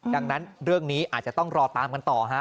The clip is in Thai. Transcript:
ดังนั้นเรื่องนี้อาจจะต้องรอตามกันต่อฮะ